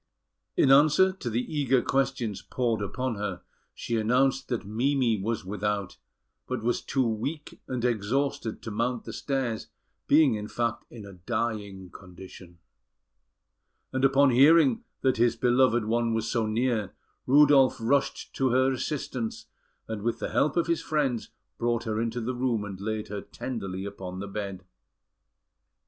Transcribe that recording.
In answer to the eager questions poured upon her, she announced that Mimi was without, but was too weak and exhausted to mount the stairs, being, in fact, in a dying condition; and upon hearing that his beloved one was so near, Rudolf rushed to her assistance, and, with the help of his friends, brought her into the room, and laid her tenderly upon the bed.